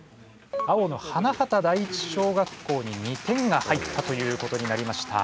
青の花畑第一小学校に２点が入ったということになりました。